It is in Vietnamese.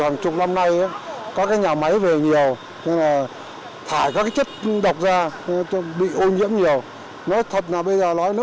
nhưng nhiều năm nay